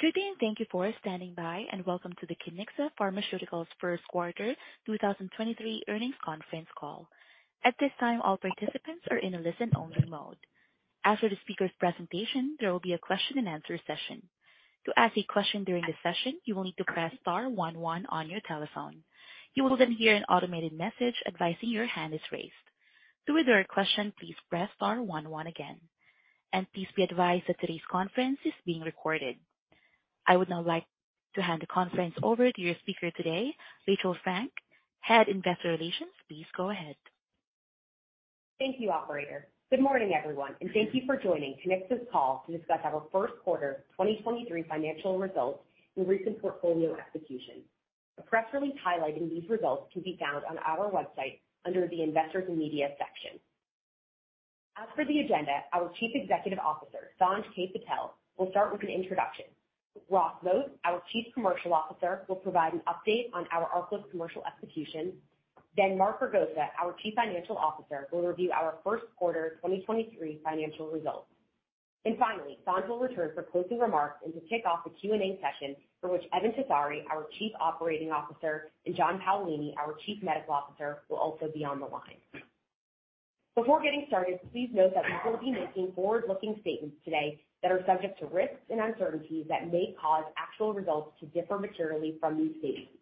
Good day, and thank you for standing by, and welcome to the Kiniksa Pharmaceuticals First Quarter 2023 Earnings Conference Call. At this time, all participants are in a listen-only mode. After the speaker's presentation, there will be a question-and-answer session. To ask a question during the session, you will need to press star one one on your telephone. You will then hear an automated message advising your hand is raised. To withdraw your question, please press star one one again, and please be advised that today's conference is being recorded. I would now like to hand the conference over to your speaker today, Rachel Frank, Head Investor Relations. Please go ahead. Thank you, operator. Good morning, everyone, and thank you for joining Kiniksa's call to discuss our first quarter 2023 financial results and recent portfolio execution. A press release highlighting these results can be found on our website under the Investors and Media section. As for the agenda, our Chief Executive Officer, Sanj K. Patel, will start with an introduction. Ross Moat, our Chief Commercial Officer, will provide an update on our ARCALYST commercial execution. Then Mark Ragosa, our Chief Financial Officer, will review our first quarter 2023 financial results. Finally, Sanj will return for closing remarks and to kick off the Q&A session for which Eben Tessari, our Chief Operating Officer, and John Paolini, our Chief Medical Officer, will also be on the line. Before getting started, please note that we will be making forward-looking statements today that are subject to risks and uncertainties that may cause actual results to differ materially from these statements.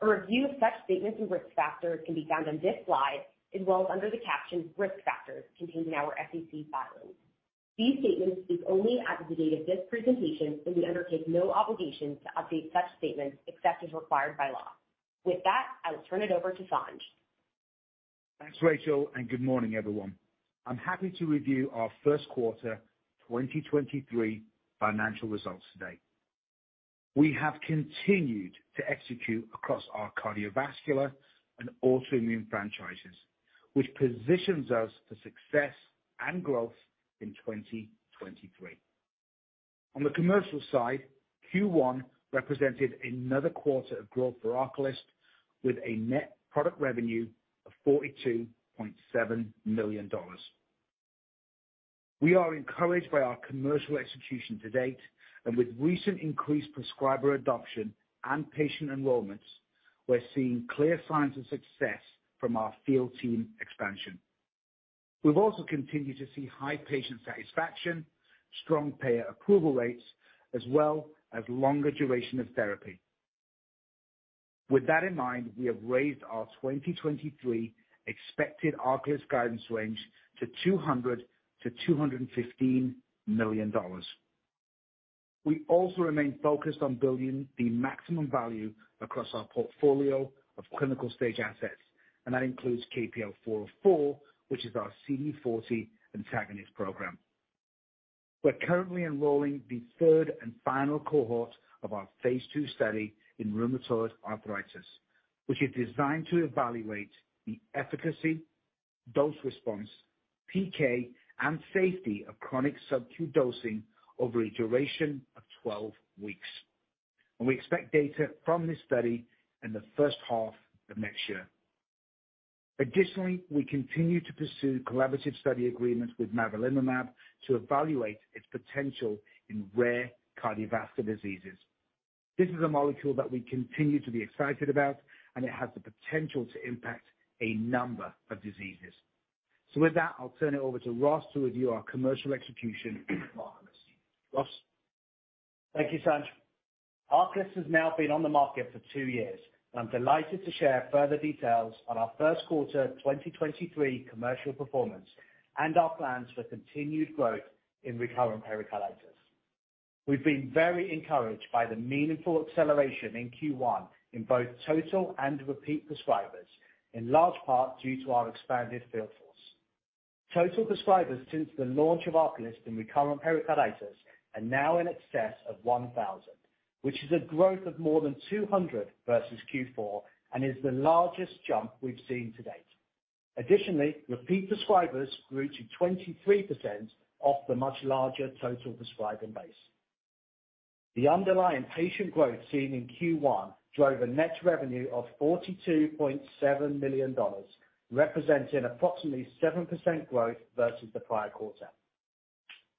A review of such statements and risk factors can be found on this slide as well as under the caption Risk Factors contained in our SEC filings. These statements speak only as of the date of this presentation. We undertake no obligation to update such statements except as required by law. With that, I will turn it over to Sanj. Thanks, Rachel. Good morning, everyone. I'm happy to review our first quarter 2023 financial results today. We have continued to execute across our cardiovascular and autoimmune franchises, which positions us for success and growth in 2023. On the commercial side, Q1 represented another quarter of growth for ARCALYST with a net product revenue of $42.7 million. We are encouraged by our commercial execution to date and with recent increased prescriber adoption and patient enrollments, we're seeing clear signs of success from our field team expansion. We've also continued to see high patient satisfaction, strong payer approval rates, as well as longer duration of therapy. With that in mind, we have raised our 2023 expected ARCALYST guidance range to $200 million-$215 million. We also remain focused on building the maximum value across our portfolio of clinical stage assets, and that includes KPL-404, which is our CD40 antagonist program. We're currently enrolling the third and final cohort of our phase II study in rheumatoid arthritis which is designed to evaluate the efficacy, dose response, PK, and safety of chronic SubQ dosing over a duration of 12 weeks. We expect data from this study in the first half of next year. Additionally, we continue to pursue collaborative study agreements with mavrilimumab to evaluate its potential in rare cardiovascular diseases. This is a molecule that we continue to be excited about, and it has the potential to impact a number of diseases. With that, I'll turn it over to Ross to review our commercial execution for ARCALYST. Ross? Thank you, Sanj. ARCALYST has now been on the market for two years. I'm delighted to share further details on our first-quarter 2023 commercial performance and our plans for continued growth in recurrent pericarditis. We've been very encouraged by the meaningful acceleration in Q1 in both total and repeat prescribers, in large part due to our expanded field force. Total prescribers since the launch of ARCALYST in recurrent pericarditis are now in excess of 1,000, which is a growth of more than 200 versus Q4 and is the largest jump we've seen to date. Additionally, repeat prescribers grew to 23% off the much larger total prescriber base. The underlying patient growth seen in Q1 drove a net revenue of $42.7 million, representing approximately 7% growth versus the prior quarter.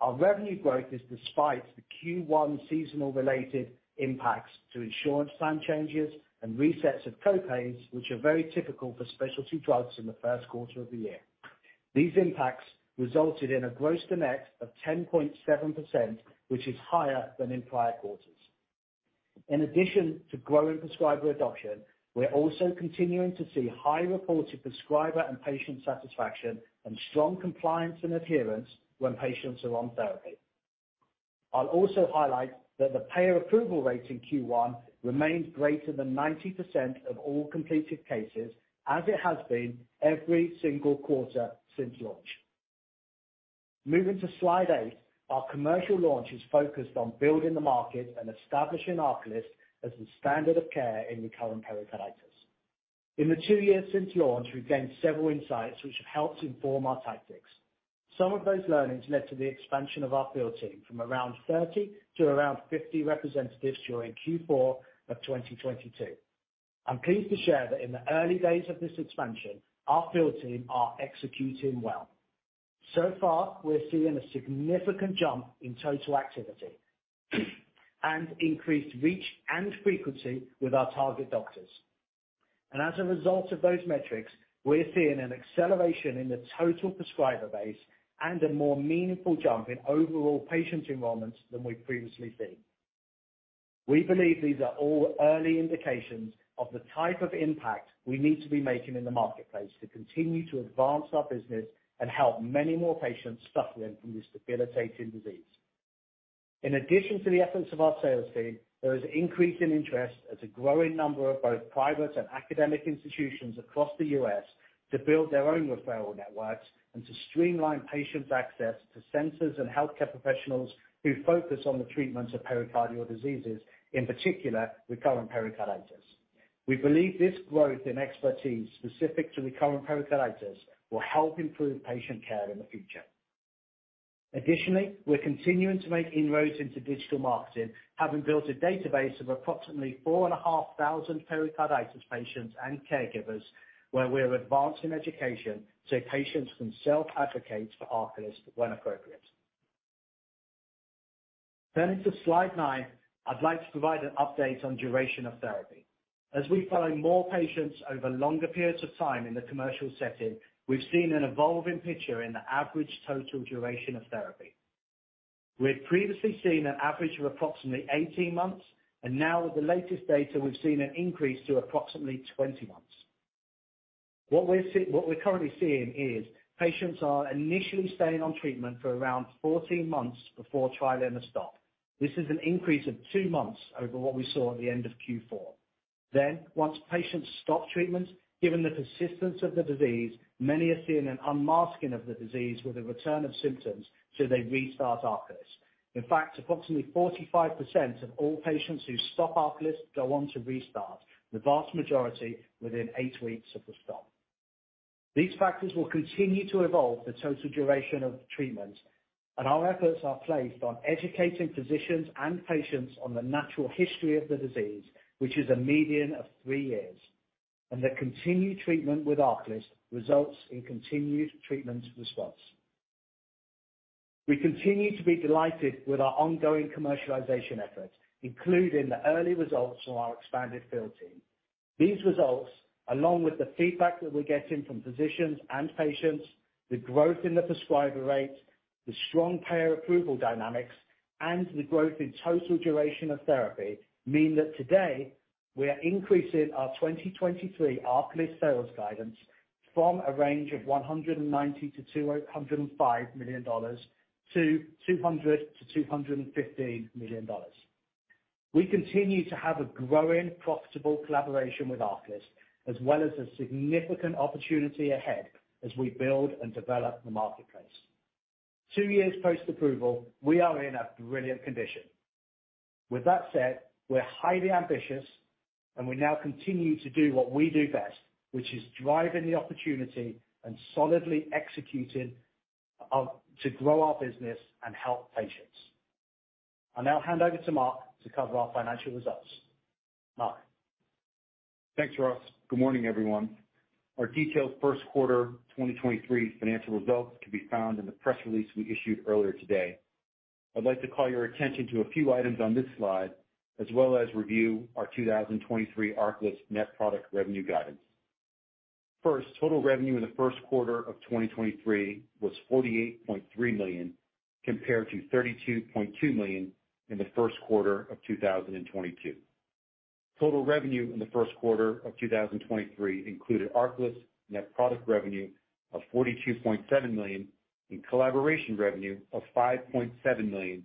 Our revenue growth is despite the Q1 seasonal-related impacts to insurance plan changes and resets of copays, which are very typical for specialty drugs in the first quarter of the year. These impacts resulted in a gross-to-net of 10.7%, which is higher than in prior quarters. In addition to growing prescriber adoption, we're also continuing to see high reported prescriber and patient satisfaction and strong compliance and adherence when patients are on therapy. I'll also highlight that the payer approval rate in Q1 remains greater than 90% of all completed cases as it has been every single quarter since launch. Moving to slide eight. Our commercial launch is focused on building the market and establishing ARCALYST as the standard of care in recurrent pericarditis. In the two years since launch, we've gained several insights which have helped inform our tactics. Some of those learnings led to the expansion of our field team from around 30 to around 50 representatives during Q4 of 2022. I'm pleased to share that in the early days of this expansion, our field team are executing well. So far, we're seeing a significant jump in total activity and increased reach and frequency with our target doctors. As a result of those metrics, we're seeing an acceleration in the total prescriber base and a more meaningful jump in overall patient enrollments than we've previously seen. We believe these are all early indications of the type of impact we need to be making in the marketplace to continue to advance our business and help many more patients suffering from this debilitating disease. In addition to the efforts of our sales team, there is increase in interest as a growing number of both private and academic institutions across the U.S. to build their own referral networks and to streamline patient access to centers and healthcare professionals who focus on the treatments of pericardial diseases, in particular, recurrent pericarditis. We believe this growth in expertise specific to recurrent pericarditis will help improve patient care in the future. Additionally, we're continuing to make inroads into digital marketing, having built a database of approximately 4,500 pericarditis patients and caregivers where we're advancing education so patients can self-advocate for ARCALYST when appropriate. Into slide nine, I'd like to provide an update on duration of therapy. As we follow more patients over longer periods of time in the commercial setting, we've seen an evolving picture in the average total duration of therapy. We had previously seen an average of approximately 18 months. Now with the latest data, we've seen an increase to approximately 20 months. What we're currently seeing is patients are initially staying on treatment for around 14 months before trialing a stop. This is an increase of two months over what we saw at the end of Q4. Once patients stop treatment, given the persistence of the disease, many are seeing an unmasking of the disease with a return of symptoms till they restart ARCALYST. In fact, approximately 45% of all patients who stop ARCALYST go on to restart, the vast majority within eight weeks of the stop. These factors will continue to evolve the total duration of treatment, and our efforts are placed on educating physicians and patients on the natural history of the disease, which is a median of three years, and that continued treatment with ARCALYST results in continued treatment response. We continue to be delighted with our ongoing commercialization efforts, including the early results from our expanded field team. These results, along with the feedback that we're getting from physicians and patients, the growth in the prescriber rate, the strong payer approval dynamics, and the growth in total duration of therapy, mean that today we're increasing our 2023 ARCALYST sales guidance from a range of $190 million-$205 million to $200 million-$215 million. We continue to have a growing profitable collaboration with ARCALYST, as well as a significant opportunity ahead as we build and develop the marketplace. Two years post-approval, we are in a brilliant condition. With that said, we're highly ambitious, and we now continue to do what we do best, which is driving the opportunity and solidly executing to grow our business and help patients. I'll now hand over to Mark to cover our financial results. Mark. Thanks, Ross. Good morning, everyone. Our detailed first quarter 2023 financial results can be found in the press release we issued earlier today. I'd like to call your attention to a few items on this slide, as well as review our 2023 ARCALYST net product revenue guidance. First, total revenue in the first quarter of 2023 was $48.3 million, compared to $32.2 million in the first quarter of 2022. Total revenue in the first quarter of 2023 included ARCALYST net product revenue of $42.7 million, in collaboration revenue of $5.7 million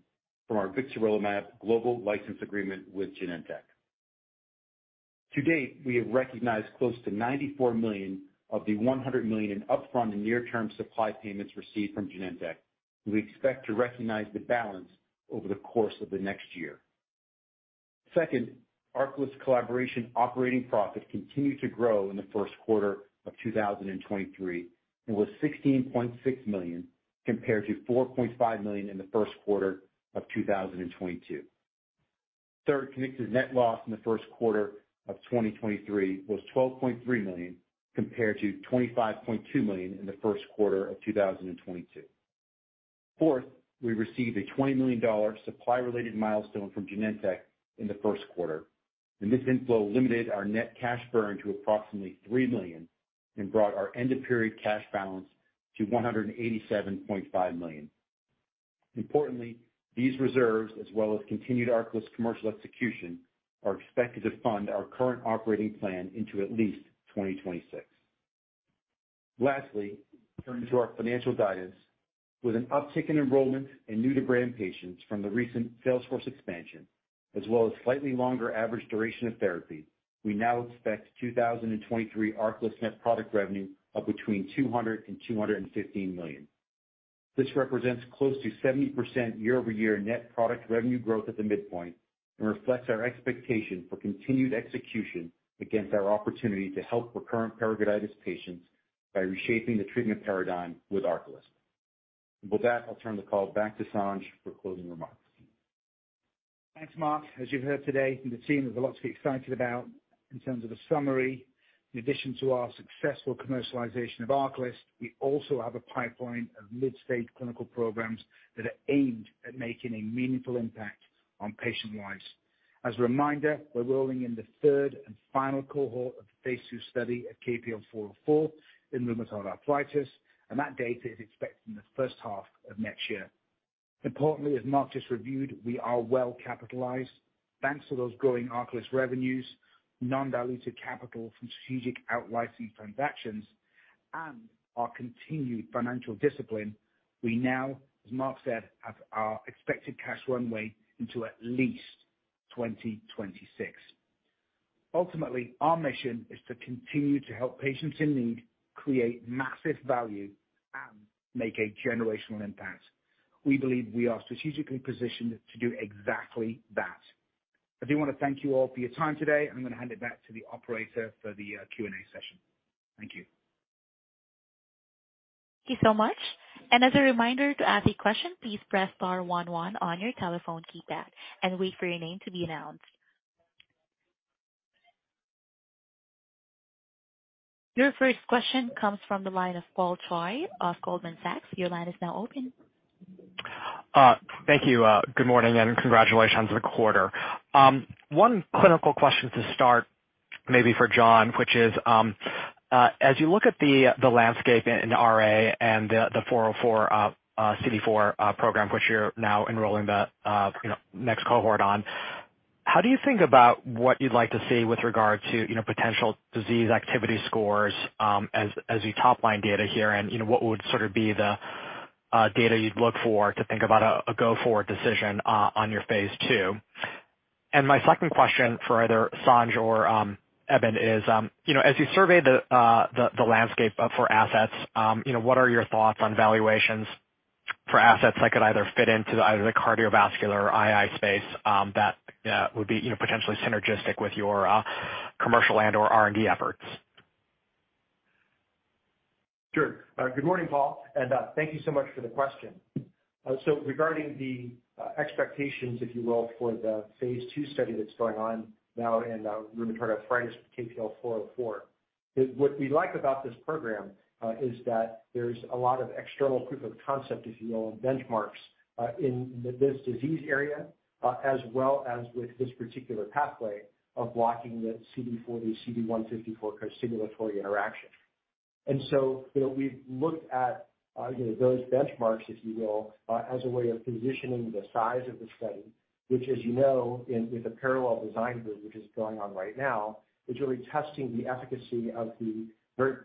from our vixarelimab global license agreement with Genentech. To date, we have recognized close to $94 million of the $100 million in upfront and near-term supply payments received from Genentech. We expect to recognize the balance over the course of the next year. Second, ARCALYST collaboration operating profit continued to grow in the first quarter of 2023. It was $16.6 million compared to $4.5 million in the first quarter of 2022. Third, Kiniksa's net loss in the first quarter of 2023 was $12.3 million compared to $25.2 million in the first quarter of 2022. Fourth, we received a $20 million supply-related milestone from Genentech in the first quarter. This inflow limited our net cash burn to approximately $3 million and brought our end-of-period cash balance to $187.5 million. Importantly, these reserves, as well as continued ARCALYST commercial execution, are expected to fund our current operating plan into at least 2026. Lastly, turning to our financial guidance. With an uptick in enrollment in new-to-brand patients from the recent sales force expansion, as well as slightly longer average duration of therapy, we now expect 2023 ARCALYST net product revenue of between $200 million and $215 million. This represents close to 70% year-over-year net product revenue growth at the midpoint and reflects our expectation for continued execution against our opportunity to help recurrent pericarditis patients by reshaping the treatment paradigm with ARCALYST. With that, I'll turn the call back to Sanj for closing remarks. Thanks, Mark. As you've heard today from the team, there's a lot to be excited about in terms of the summary. In addition to our successful commercialization of ARCALYST, we also have a pipeline of mid-stage clinical programs that are aimed at making a meaningful impact on patient lives. As a reminder, we're rolling in the third and final cohort of the phase II study at KPL-404 in rheumatoid arthritis. That data is expected in the first half of next year. Importantly, as Mark just reviewed, we are well capitalized. Thanks to those growing ARCALYST revenues, non-diluted capital from strategic out-licensing transactions, and our continued financial discipline. We now, as Mark said, have our expected cash runway into at least 2026. Ultimately, our mission is to continue to help patients in need, create massive value, and make a generational impact. We believe we are strategically positioned to do exactly that. I do wanna thank you all for your time today. I'm gonna hand it back to the operator for the Q&A session. Thank you. Thank you so much. As a reminder to ask a question, please press star one one on your telephone keypad and wait for your name to be announced. Your first question comes from the line of Paul Choi of Goldman Sachs. Your line is now open. Thank you. Good morning, and congratulations on the quarter. One clinical question to start maybe for John, which is, as you look at the landscape in RA and the 404, CD40, program, which you're now enrolling the, you know, next cohort on, how do you think about what you'd like to see with regard to, you know, potential disease activity scores, as the top-line data here? You know, what would sort of be the, data you'd look for to think about a go forward decision, on your phase II? My second question for either Sanj or Eben is, you know, as you survey the landscape for assets, you know, what are your thoughts on valuations for assets that could either fit into either the cardiovascular or II space that would be, you know, potentially synergistic with your commercial and or R&D efforts? Sure. good morning, Paul, and thank you so much for the question. Regarding the expectations, if you will, for the phase II study that's going on now in rheumatoid arthritis with KPL-404, what we like about this program is that there's a lot of external proof of concept, if you will, benchmarks in this disease area as well as with this particular pathway of blocking the CD40, CD154 costimulatory interaction. you know, we've looked at, you know, those benchmarks, if you will, as a way of positioning the size of the study, which as you know, in the parallel design group, which is going on right now, is really testing the efficacy of the very,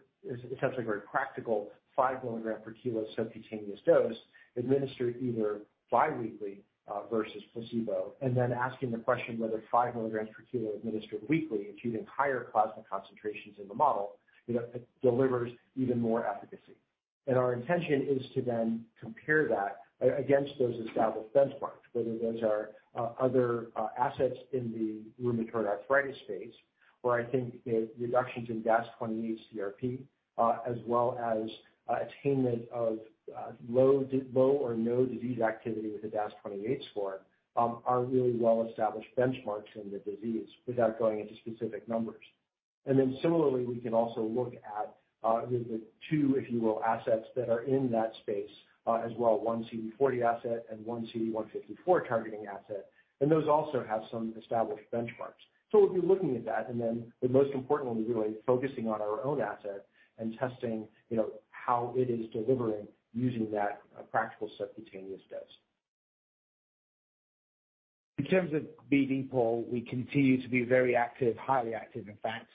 essentially very practical 5 mg/kg subcutaneous dose administered either biweekly, versus placebo, and then asking the question whether 5 mg/kg administered weekly achieving higher plasma concentrations in the model, you know, it delivers even more efficacy. Our intention is to then compare that against those established benchmarks, whether those are other assets in the rheumatoid arthritis space, where I think the reductions in DAS28-CRP, as well as attainment of low or no disease activity with the DAS28 score, are really well established benchmarks in the disease without going into specific numbers. Similarly, we can also look at the two, if you will, assets that are in that space as well, one CD40 asset and one CD154 targeting asset, and those also have some established benchmarks. We'll be looking at that, and then, but most importantly, really focusing on our own asset and testing, you know, how it is delivering using that practical subcutaneous dose. In terms of BD, Paul, we continue to be very active, highly active, in fact.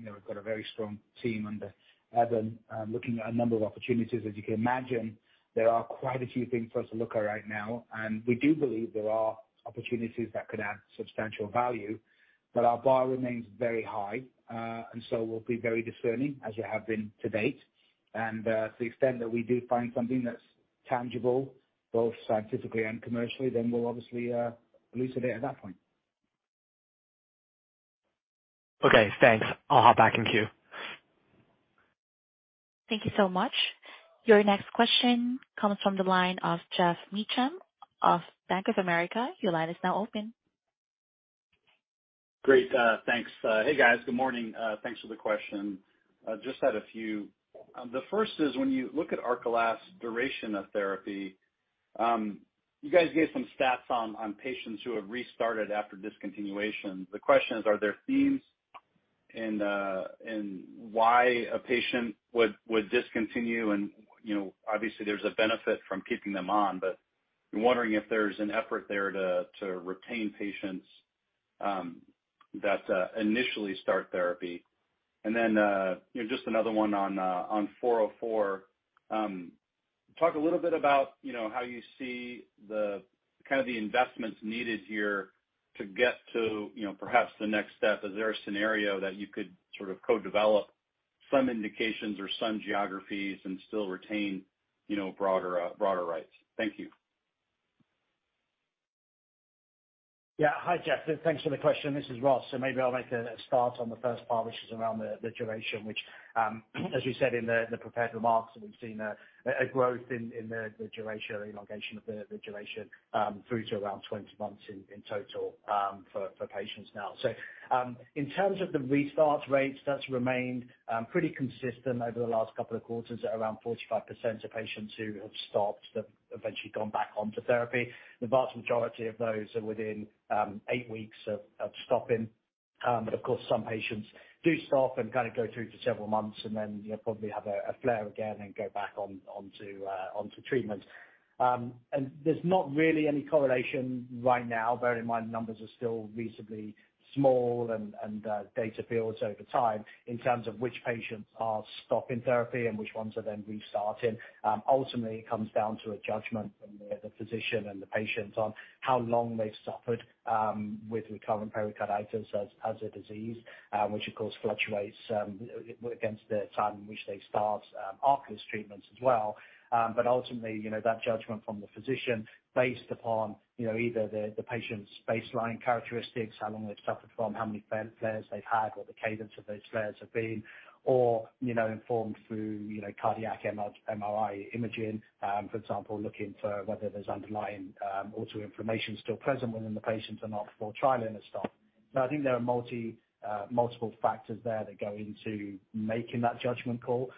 you know, we've got a very strong team under Eben, looking at a number of opportunities. As you can imagine, there are quite a few things for us to look at right now, and we do believe there are opportunities that could add substantial value, but our bar remains very high. We'll be very discerning as we have been to date. To the extent that we do find something that's tangible, both scientifically and commercially, then we'll obviously elucidate at that point. Okay, thanks. I'll hop back in queue. Thank you so much. Your next question comes from the line of Geoff Meacham of Bank of America. Your line is now open. Great. Thanks. Hey, guys. Good morning. Thanks for the question. Just had a few. The first is when you look at ARCALYST' duration of therapy, you guys gave some stats on patients who have restarted after discontinuation. The question is, are there themes in why a patient would discontinue and, you know, obviously there's a benefit from keeping them on, but I'm wondering if there's an effort there to retain patients that initially start therapy? You know, just another one on 404. Talk a little bit about, you know, how you see the, kind of the investments needed here to get to, you know, perhaps the next step. Is there a scenario that you could sort of co-develop some indications or some geographies and still retain, you know, broader rights? Thank you. Yeah. Hi, Geoff. Thanks for the question. This is Ross. Maybe I'll make a start on the first part, which is around the duration, which, as we said in the prepared remarks, that we've seen a growth in the duration, elongation of the duration, through to around 20 months in total for patients now. In terms of the restart rates, that's remained pretty consistent over the last couple of quarters at around 45% of patients who have stopped that have eventually gone back onto therapy. The vast majority of those are within eight weeks of stopping. But of course, some patients do stop and kind of go through to several months and then, you know, probably have a flare again and go back on onto treatment. There's not really any correlation right now. Bear in mind, the numbers are still reasonably small and data builds over time in terms of which patients are stopping therapy and which ones are then restarting. Ultimately it comes down to a judgment from the physician and the patients on how long they've suffered with recurrent pericarditis as a disease, which of course fluctuates against the time in which they start ARCALYST treatments as well. Ultimately, you know, that judgment from the physician based upon, you know, either the patient's baseline characteristics, how long they've suffered from, how many flares they've had or the cadence of those flares have been, or, you know, informed through, you know, cardiac MRI imaging, for example, looking for whether there's underlying autoinflammation still present within the patient or not before trialing or stop. I think there are multiple factors there that go into making that judgment call.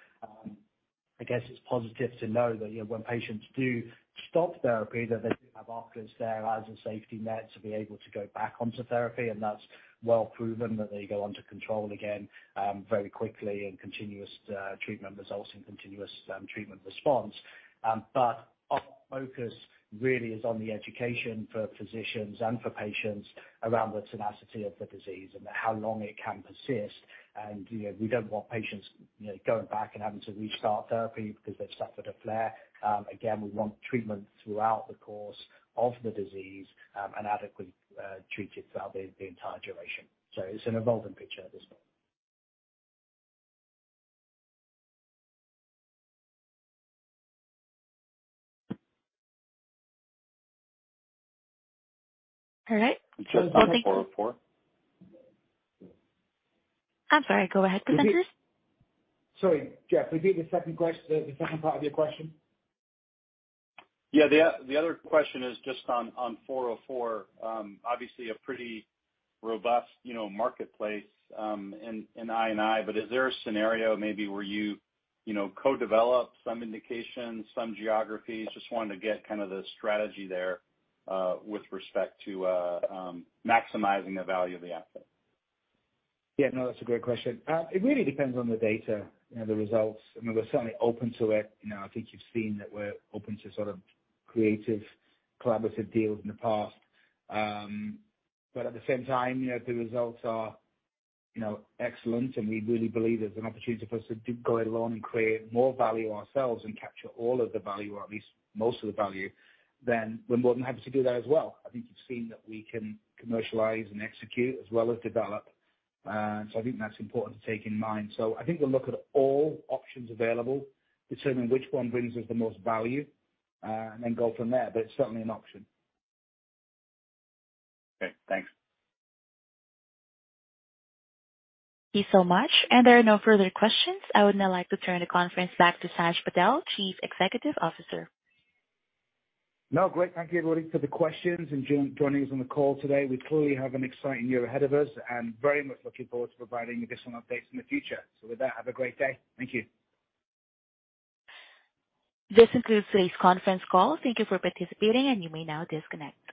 I guess it's positive to know that, you know, when patients do stop therapy, that they do have ARCALYST there as a safety net to be able to go back onto therapy. That's well proven that they go under control again, very quickly and continuous treatment results in continuous treatment response. Our focus really is on the education for physicians and for patients around the tenacity of the disease and how long it can persist. You know, we don't want patients, you know, going back and having to restart therapy because they've suffered a flare. Again, we want treatment throughout the course of the disease and adequately treated throughout the entire duration. It's an evolving picture at this point. All right. Well, thank you. Jeff, on the 404. I'm sorry. Go ahead, presenters. Sorry, Jeff. Repeat the second the second part of your question. Yeah. The other question is just on KPL-404. Obviously a pretty robust, you know, marketplace, in I and I, but is there a scenario maybe where you know, co-develop some indications, some geographies? Just wanted to get kind of the strategy there with respect to maximizing the value of the asset. Yeah. No, that's a great question. It really depends on the data, you know, the results. I mean, we're certainly open to it. You know, I think you've seen that we're open to sort of creative collaborative deals in the past. At the same time, you know, if the results are, you know, excellent and we really believe there's an opportunity for us to do go it alone and create more value ourselves and capture all of the value or at least most of the value, then we're more than happy to do that as well. I think you've seen that we can commercialize and execute as well as develop. I think that's important to take in mind. I think we'll look at all options available, determine which one brings us the most value, and then go from there. It's certainly an option. Okay, thanks. Thank you so much. There are no further questions. I would now like to turn the conference back to Sanj Patel, Chief Executive Officer. No, great. Thank you, everybody, for the questions and joining us on the call today. We clearly have an exciting year ahead of us and very much looking forward to providing additional updates in the future. With that, have a great day. Thank you. This concludes today's conference call. Thank you for participating. You may now disconnect.